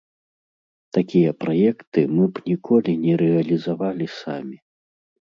Такія праекты мы б ніколі не рэалізавалі самі.